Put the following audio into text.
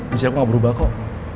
misi aku gak berubah kok